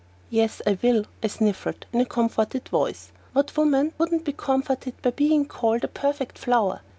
"Yes, I will," I sniffed in a comforted voice. What woman wouldn't be comforted by being called a "perfect flower"?